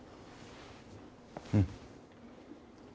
うん。